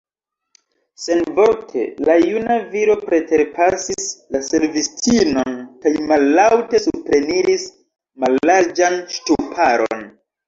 Senvorte la juna viro preterpasis la servistinon kaj mallaŭte supreniris mallarĝan ŝtuparon.